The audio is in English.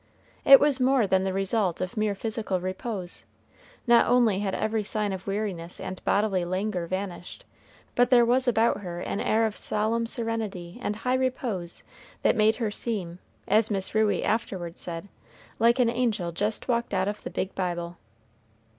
It was more than the result of mere physical repose. Not only had every sign of weariness and bodily languor vanished, but there was about her an air of solemn serenity and high repose that made her seem, as Miss Ruey afterwards said, "like an angel jest walked out of the big Bible."